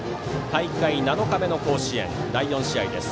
大会７日目の甲子園第４試合です。